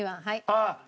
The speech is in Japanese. ああ！